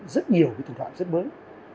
rất nhiều cái tội phạm rất mới